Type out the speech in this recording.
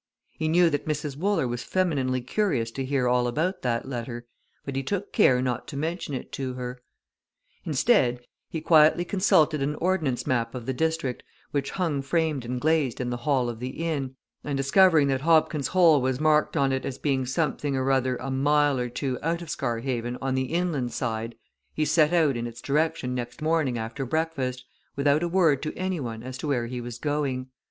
He knew that Mrs. Wooler was femininely curious to hear all about that letter, but he took care not to mention it to her. Instead he quietly consulted an ordnance map of the district which hung framed and glazed in the hall of the inn, and discovering that Hobkin's Hole was marked on it as being something or other a mile or two out of Scarhaven on the inland side, he set out in its direction next morning after breakfast, without a word to anyone as to where he was going.